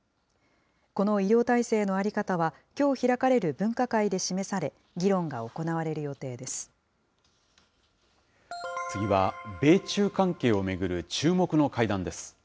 この医療体制の在り方は、きょう開かれる分科会で示され、議論が次は、米中関係を巡る注目の会談です。